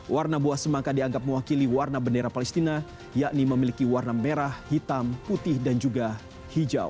warna buah semangka dianggap mewakili warna bendera palestina yakni memiliki warna merah hitam putih dan juga hijau